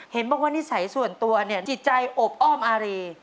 เห็นบอกว่านิสัยส่วนตัวเนี่ยจิตใจอบอ้อมอารี